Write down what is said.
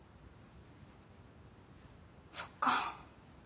そっか。